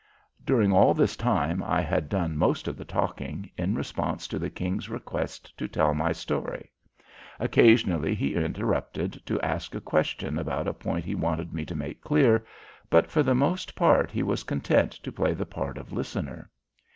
During all this time I had done most of the talking, in response to the King's request to tell my story. Occasionally he interrupted to ask a question about a point he wanted me to make clear, but for the most part he was content to play the part of listener.